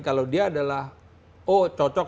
kalau dia adalah oh cocok